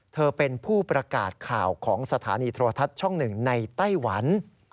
เธอเป็นผู้ประกาศข่าวของสถานีโทรทัศน์ช่องหนึ่งในไต้หวัน